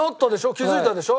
気づいたでしょ？